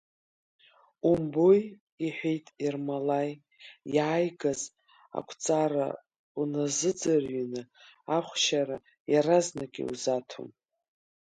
Умбои, — иҳәеит Ермолаи, иааигаз ақәҵара уназыӡырҩны ахәшьара иаразнак иузаҭом.